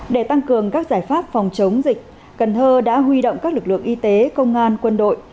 để tăng cường các giải pháp phòng chống dịch cần thơ đã huy động các lực lượng y tế công an quân đội